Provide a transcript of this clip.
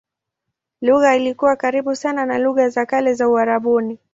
Lugha ilikuwa karibu sana na lugha za kale za Uarabuni.